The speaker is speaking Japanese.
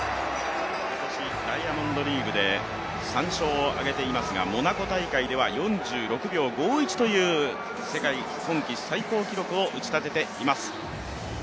今年、ダイヤモンドリーグで３勝を挙げていますが、モナコ大会では４６秒５１という世界今季最高記録を打ちたてています。